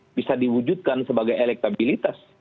maka itu bisa diwujudkan sebagai elektabilitas